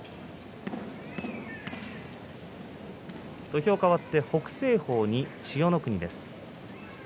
土俵かわって北青鵬に千代の国です。